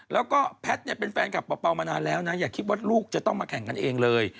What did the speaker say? แล้วก็แพทย์เนี่ยเป็นแฟนกับเปล่ามานานแล้วนะอย่าคิดว่าลูกจะต้องมาแข่งกันเองเลย